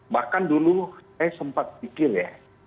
bahkan dulu saya sempat pikir ya